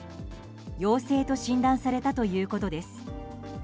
陽性と診断されたということです。